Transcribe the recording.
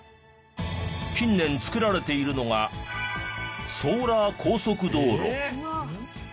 近年造られているのがソーラー高速道路。